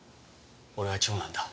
俺は長男だ。